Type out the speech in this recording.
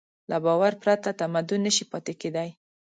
له باور پرته تمدن نهشي پاتې کېدی.